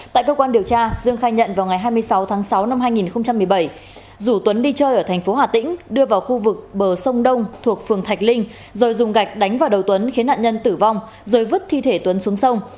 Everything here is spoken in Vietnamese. tại cơ quan điều tra dương khai nhận vào ngày hai mươi sáu tháng sáu năm hai nghìn một mươi bảy rủ tuấn đi chơi ở thành phố hà tĩnh đưa vào khu vực bờ sông đông thuộc phường thạch linh rồi dùng gạch đánh vào đầu tuấn khiến nạn nhân tử vong rồi vứt thi thể tuấn xuống sông